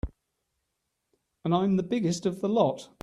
And I'm the biggest of the lot.